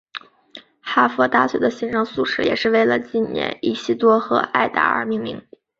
哈佛大学的新生宿舍也是为了纪念伊西多和艾达而命名。